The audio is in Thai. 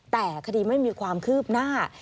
แต่คดีไม่มีความคืบหน้า